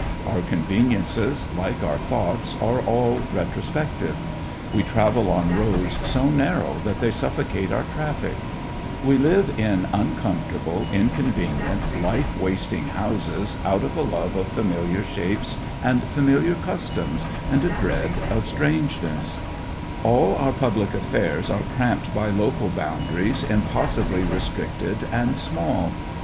Our conveniences, like our thoughts, are all retrospective. We travel on roads so narrow that they suffocate our traffic; we live in uncomfortable, inconvenient, life wasting houses out of a love of familiar shapes and familiar customs and a dread of strangeness; all our public affairs are cramped by local boundaries impossibly restricted and small.